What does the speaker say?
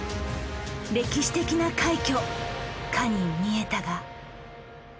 歴史的な快挙かに見えたが。